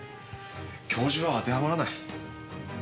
教授はあてはまらない。